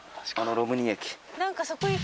ロムニー駅。